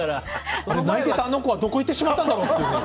泣いてたあの子はどこ行ってしまったんだろうと。